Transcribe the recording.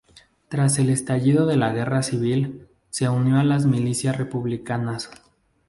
Tras el estallido de la Guerra civil se unió a las milicias republicanas.